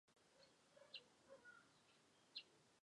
提供专业之相关讯息